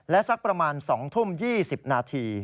และสักประมาณ๒ทุ่ม๒๐นาที